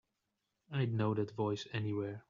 I'd know that voice anywhere.